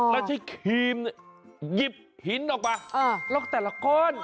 แล้วใช้ครีมหยิบหินออกมาล็อกแต่ละก้อน